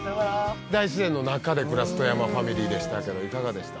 大自然の中で暮らす外山ファミリーでしたけどいかがでした？